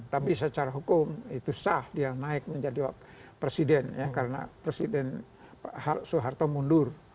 tapi secara hukum itu sah dia naik menjadi presiden ya karena presiden soeharto mundur